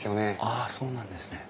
あそうなんですね。